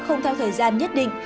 không theo thời gian nhất định